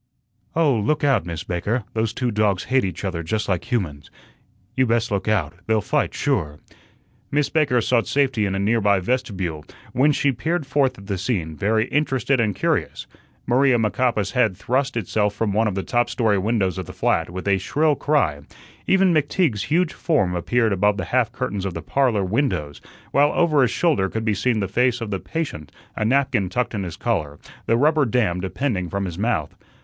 "Oh, look out, Miss Baker. Those two dogs hate each other just like humans. You best look out. They'll fight sure." Miss Baker sought safety in a nearby vestibule, whence she peered forth at the scene, very interested and curious. Maria Macapa's head thrust itself from one of the top story windows of the flat, with a shrill cry. Even McTeague's huge form appeared above the half curtains of the "Parlor" windows, while over his shoulder could be seen the face of the "patient," a napkin tucked in his collar, the rubber dam depending from his mouth.